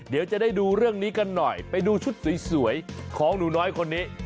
เดี๋ยวจะได้ดูเรื่องนี้กันหน่อยไปดูชุดสวยของหนูน้อยคนนี้